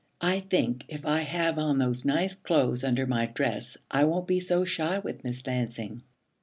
I think if I have on those nice clothes under my dress I won't be so shy with Miss Lansing.